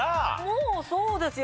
もうそうですよ。